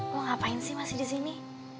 lo ngapain sih masih disini